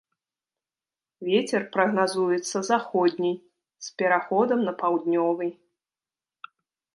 Вецер прагназуецца заходні з пераходам на паўднёвы.